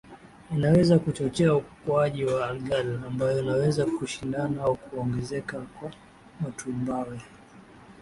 Inaweza kuchochea ukuaji wa algal ambayo inaweza kushindana au kuongezeka kwa matumbawe